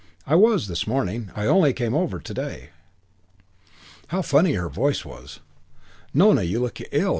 "I was this morning. I only came over to day." How funny her voice was. "Nona, you look ill.